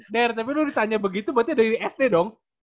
der tapi lu ditanya begitu berarti dari sd dong